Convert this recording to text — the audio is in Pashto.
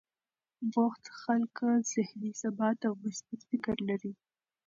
بوخت خلک ذهني ثبات او مثبت فکر لري.